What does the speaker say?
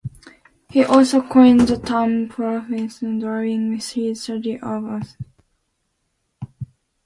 He also coined the term phantom limb during his study of an amputee.